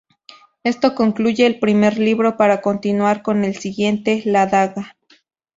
Esto concluye el primer libro para continuar con el siguiente, "La daga".